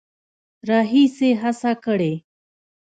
راهیسې هڅه کړې